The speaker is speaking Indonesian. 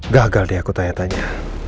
gagal deh aku tanya tanya